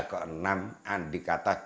keenam andi kata